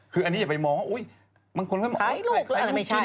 คืออันนี้อย่าไปม้อกว่าหลายลูกก็ไม่ใช่